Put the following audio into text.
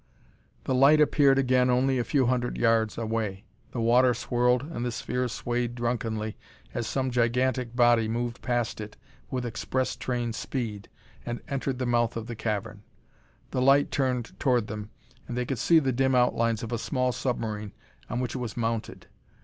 The light appeared again only a few hundred yards away. The water swirled and the sphere swayed drunkenly as some gigantic body moved past it with express train speed and entered the mouth of the cavern. The light turned toward them and they could see the dim outlines of a small submarine on which it was mounted.